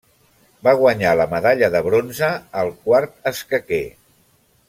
Va guanyar la medalla de bronze al quart escaquer.